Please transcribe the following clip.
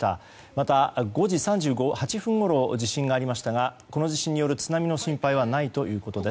また、５時３８分ごろ地震がありましたがこの地震による津波の心配はないということです。